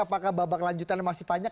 apakah babak lanjutannya masih panjang